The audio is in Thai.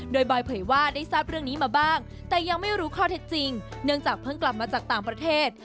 โดยบอยเผยว่าได้ทราบเรื่องนี้มาบ้างแต่ยังไม่รู้ข้อเท็จจริงเนื่องจากเพิ่งกลับมาจากต่างประเทศ